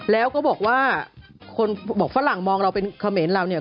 แล้วก็บอกว่าคนบอกฝรั่งมองเราเป็นเขมรเราเนี่ย